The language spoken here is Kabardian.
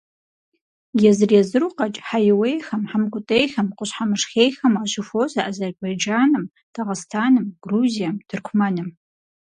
Езыр–езыру къэкӀ хьэиуейхэм, хьэмкӀутӀейхэм, къущхьэмышхейхэм уащыхуозэ Азербайджаным, Дагъыстаным, Грузием, Тыркумэным.